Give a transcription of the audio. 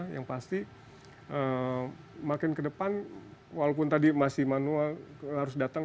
yang pasti makin ke depan walaupun tadi masih manual harus datang